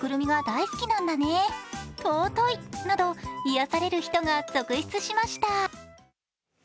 ＳＮＳでは癒やされる人が続出しました。